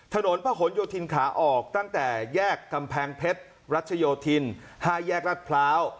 ถนนพระหลโยธินขาออกตั้งแต่แยกกำแพงเพชรรัชโยธิน๕แยกรัฐพร้าว